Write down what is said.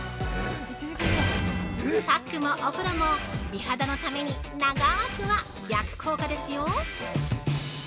パックもお風呂も美肌のためにながーくは逆効果ですよ。